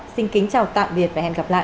xin kính chào tạm biệt và hẹn gặp lại